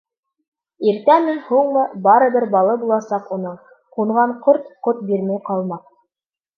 Иртәме-һуңмы барыбер балы буласаҡ уның, ҡунған ҡорт ҡот бирмәй ҡалмаҫ.